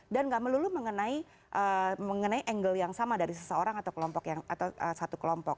dan gak melulu mengenai angle yang sama dari seseorang atau satu kelompok